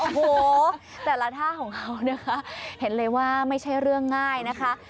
โอ้โหแต่ละท่าของเขานะคะเห็นเลยว่าไม่ใช่เรื่องง่ายนะคะ